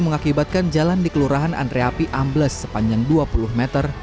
mengakibatkan jalan di kelurahan andreapi ambles sepanjang dua puluh meter